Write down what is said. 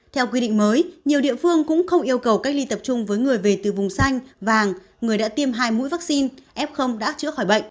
theo quy định mới nhiều địa phương cũng không yêu cầu cách ly tập trung với người về từ vùng xanh vàng người đã tiêm hai mũi vaccine f đã chữa khỏi bệnh